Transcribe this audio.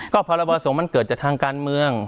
ก็พรบสงฆ์มันเกิดจากทางการเมือง